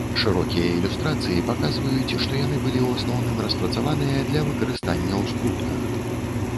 Шырокія ілюстрацыі паказваюць, што яны былі ў асноўным распрацаваныя для выкарыстання ў скрутках.